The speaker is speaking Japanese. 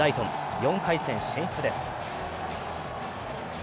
４回戦進出です。